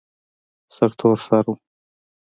سرتور سر و.